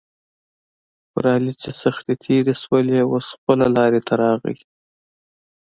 په علي چې سختې تېرې شولې اوس خپله لارې ته راغی.